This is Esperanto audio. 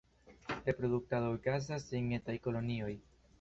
Reproduktado okazas en etaj kolonioj.